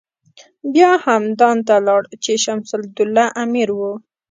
بیا همدان ته لاړ چې شمس الدوله امیر و.